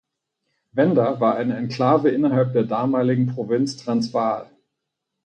Venda war eine Enklave innerhalb der damaligen Provinz Transvaal.